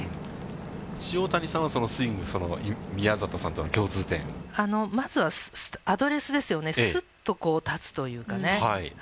塩谷さんは、そのスイング、まずはアドレスですよね、すっとこう立つというかね。